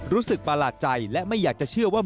รู้สึกปลาหลาดใจและไม่อยากจะเชื่อว่า